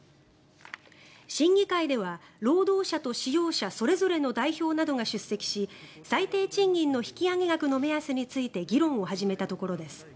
審議会では労働者と使用者それぞれの代表などが出席し最低賃金の引き上げ額の目安について議論を始めたところです。